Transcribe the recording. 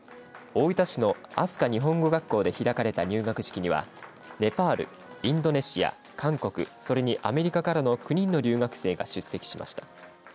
大分市の明日香日本語学校で開かれた入学式にはネパール、インドネシア韓国、それにアメリカからの９人の留学生が出席しました。